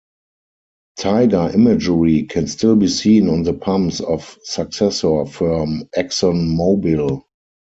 Tiger imagery can still be seen on the pumps of successor firm ExxonMobil.